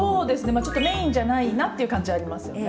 まあちょっとメインじゃないなっていう感じはありますよね。